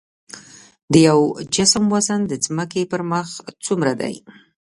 د یو جسم وزن د ځمکې پر مخ څومره دی؟